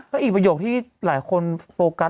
แล้วอีกประโยคที่หลายคนโฟกัส